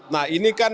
nah ini kan